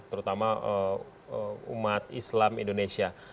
terutama umat islam indonesia